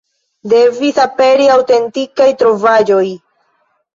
Devis aperi aŭtentikaj trovaĵoj.